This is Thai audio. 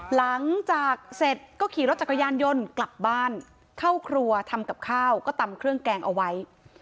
หลังจากเสร็จก็ขี่รถจักรยานยนต์กลับบ้านเข้าครัวทำกับข้าวก็ตำเครื่องแกงเอาไว้